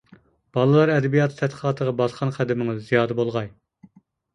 بالىلار ئەدەبىياتى تەتقىقاتىغا باسقان قەدىمىڭىز زىيادە بولغاي.